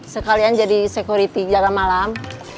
sekalian jadi security jaga malam